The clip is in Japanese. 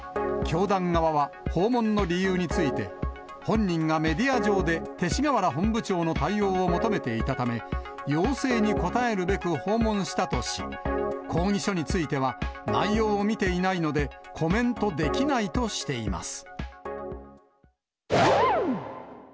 教団側は訪問の理由について、本人がメディア上で勅使河原本部長の対応を求めていたため、要請に応えるべく訪問したとし、抗議書については内容を見ていないのでコメントできないとしています。